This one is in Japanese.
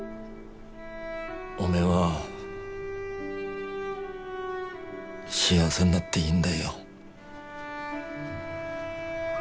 おめえは幸せになっていいんだよ。